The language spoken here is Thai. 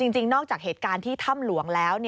จริงนอกจากเหตุการณ์ที่ถ้ำหลวงแล้ว